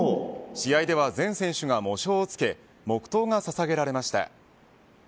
試合では全選手が喪章を付け黙とうがささげられました。